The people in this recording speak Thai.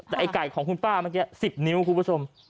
แต่ไอ้ไก่ของคุณป้าเมื่อกี้๑๐นิ้วคุณผู้ชม